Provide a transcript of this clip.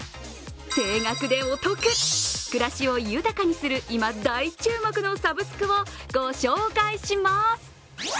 定額でお得、暮らしを豊かにする今、大注目のサブスクをご紹介します。